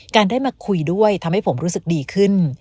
ได้มาคุยด้วยทำให้ผมรู้สึกดีขึ้น